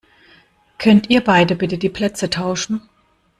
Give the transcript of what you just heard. Könnt ihr beide bitte die Plätze tauschen?